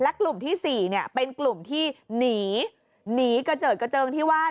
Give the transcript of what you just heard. และกลุ่มที่สี่เนี่ยเป็นกลุ่มที่หนีหนีเกาะเจิดเกาะเจิงที่ว่าน